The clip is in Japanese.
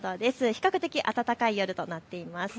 比較的暖かい夜となっています。